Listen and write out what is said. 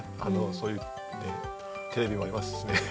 そういうテレビもありますしね。